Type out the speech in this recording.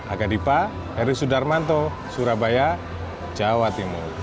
agadipa heri sudarmanto surabaya jawa timur